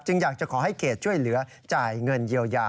อยากจะขอให้เขตช่วยเหลือจ่ายเงินเยียวยา